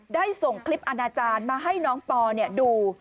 ได้ส่งคลิปอาณาจารย์มาให้น้องปอดู